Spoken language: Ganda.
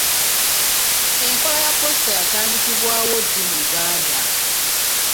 Enkola ya poosita yatandikibwawo ddi mu Uganda?